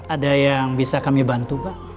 ada yang bisa kami bantu pak